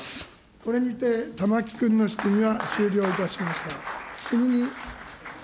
これにて玉木君の質疑は終了いたしました。